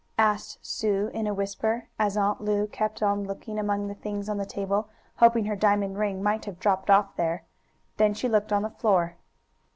asked Sue, in a whisper, as Aunt Lu kept on looking among the things on the table, hoping her diamond might have dropped off there. Then she looked on the floor.